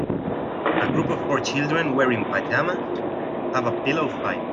A group of four children wearing pajamas have a pillow fight.